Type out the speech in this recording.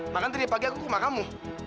makan tadi pagi aku cuma kamu